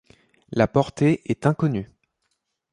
La portée est inconnue.